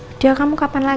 udah kamu kapan lagi